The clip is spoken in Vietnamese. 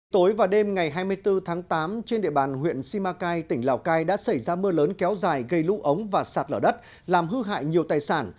tối và đêm ngày hai mươi bốn tháng tám trên địa bàn huyện simacai tỉnh lào cai đã xảy ra mưa lớn kéo dài gây lũ ống và sạt lở đất làm hư hại nhiều tài sản